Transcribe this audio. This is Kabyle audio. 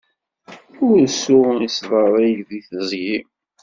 Ursu yettḍerrig deg teẓgi?